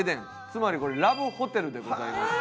つまりこれラブホテルでございます。